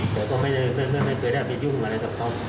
แต่ก็ไม่เคยได้ไปยุ่งอะไรกับเขา